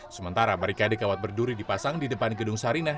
sementara barikade kawat berduri dipasang di depan gedung sarinah